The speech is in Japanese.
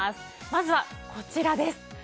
まずはこちらです。